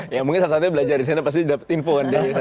ya mungkin salah satunya belajar di sana pasti dapat info kan